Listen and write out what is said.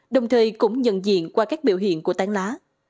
đồng thời cũng nhận diện qua các biểu hiện của tán lá